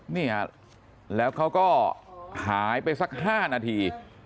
เนี่ยแล้วเขาก็หายไปสัก๕นาที